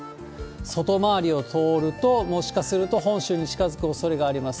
外回りを通ると、もしかすると本州に近づくおそれがあります。